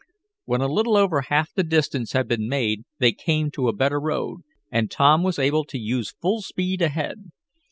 When a little over half the distance had been made they came to a better road, and Tom was able to use full speed ahead.